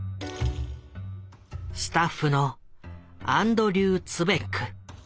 スタッフのアンドリュー・ツヴェック。